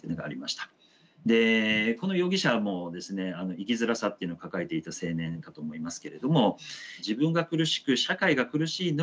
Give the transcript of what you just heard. この容疑者も生きづらさっていうのを抱えていた青年かと思いますけれども自分が苦しく社会が苦しいのはですね